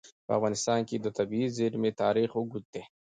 په افغانستان کې د طبیعي زیرمې تاریخ اوږد دی.